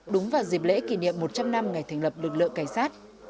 đúng vào dịp lễ kỷ niệm một trăm linh năm ngày thành lập lực lượng cảnh sát